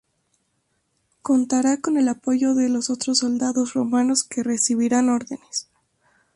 Contará con el apoyo de los otros soldados romanos que recibirán órdenes.